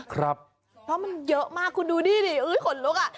เพราะมันเยอะมากคุณดูดิขนลุกอ่ะ